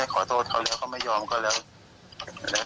ขอโทษก็ไม่ยอมก็เลย